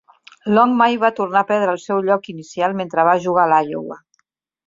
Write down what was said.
Long mai va tornar a perdre el seu lloc inicial mentre va jugar a l'Iowa.